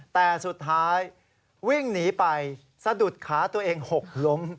แต่สุดท้ายวิ่งหนีไปสะดุดขาตัวเองหกล้ม